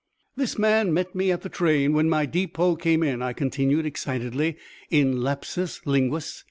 "This man met me at the train when my depot came in," I continued, excitedly, in lapsus linguæ.